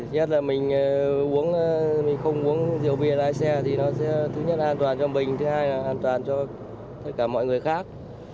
nhất là mình uống mình không uống rượu bia lái xe thì nó sẽ thứ nhất là an toàn cho mình thứ hai là an toàn cho tất cả mọi người khác